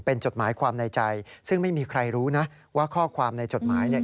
เป็นจดหมายความในใจซึ่งไม่มีใครรู้นะว่าข้อความในจดหมายเนี่ย